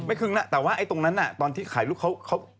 ครึ่งนะแต่ว่าไอ้ตรงนั้นน่ะตอนที่ขายลูกเขา